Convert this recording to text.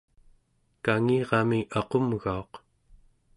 kangirami aqumgauq